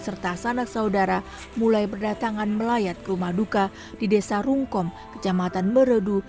bintang sanak saudara mulai berdatangan melayat ke rumah duka di desa rungkom kejamatan meredu